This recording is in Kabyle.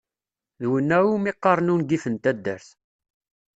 D winna iwmi qqaren ungif n taddart.